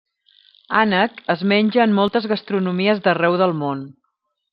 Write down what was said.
Ànec es menja en moltes gastronomies d'arreu del món.